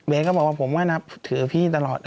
เบสก็บอกว่าผมว่านับถือพี่ตลอด